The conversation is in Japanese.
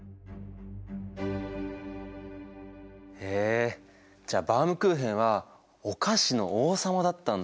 へえじゃあバウムクーヘンはお菓子の王様だったんだ。